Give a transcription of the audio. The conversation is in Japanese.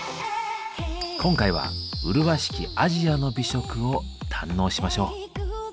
今回は麗しき「アジアの美食」を堪能しましょう。